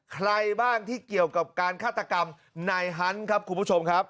ใครบ้างที่เกี่ยวกับการฆาตกรรมนายฮันต์ครับคุณผู้ชมครับ